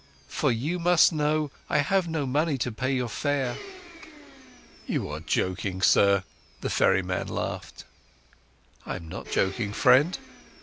For you must know, I have no money to pay your fare." "You're joking, sir," the ferryman laughed. "I'm not joking, friend.